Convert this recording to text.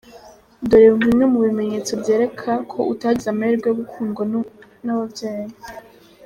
Dore bimwe mu bimenyetso bikwereka ko utagize amahirwe yo gukundwa n’ababyeyi:.